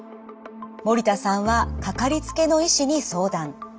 森田さんは掛かりつけの医師に相談。